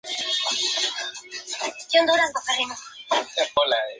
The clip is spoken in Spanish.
Estos huesos forman parte del maxilar y mandíbula que convergen a unas prolongaciones.